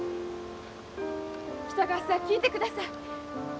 北川さん聞いてください。